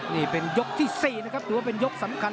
นี่เป็นยกที่๔นะครับถือว่าเป็นยกสำคัญ